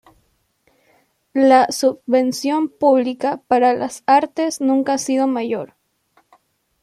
La subvención pública para las artes nunca ha sido mayor.